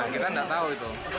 kita tidak tahu itu